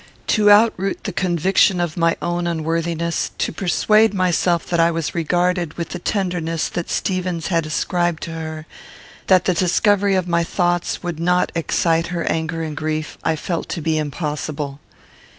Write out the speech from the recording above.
To outroot the conviction of my own unworthiness, to persuade myself that I was regarded with the tenderness that Stevens had ascribed to her, that the discovery of my thoughts would not excite her anger and grief, I felt to be impossible.